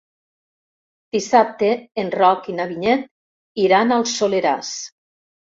Dissabte en Roc i na Vinyet iran al Soleràs.